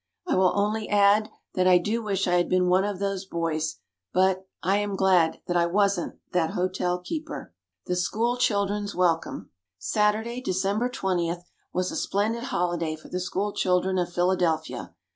I will only add that I do wish I had been one of those boys; but I am glad that I wasn't that hotel keeper. THE SCHOOL CHILDREN'S WELCOME. Saturday, December 20, was a splendid holiday for the school children of Philadelphia.